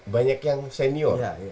banyak yang senior